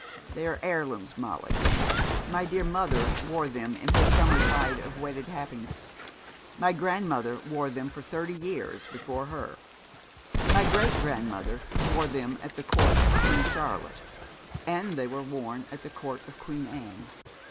They are heirlooms, Molly. My dear mother wore them in her summer tide of wedded happiness. My grandmother wore them for thirty years before her; my great grandmother wore them at the Court of Queen Charlotte, and they were worn at the Court of Queen Anne.